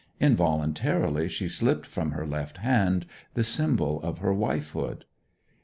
Involuntarily she slipped from her left hand the symbol of her wifehood.